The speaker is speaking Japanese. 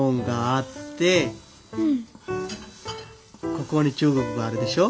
ここに中国があるでしょ。